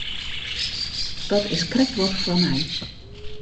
Dat is krekt wat foar my.